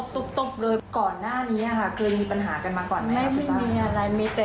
ถ้าพูดอะไรแล้วมันแบบอารมณ์ร้อนอย่างนี้